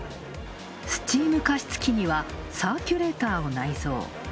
スチーム加湿器にはサーキュレーターを内蔵。